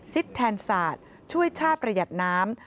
ซิดแทนสาดช่วยชาติประหยัดน้ำ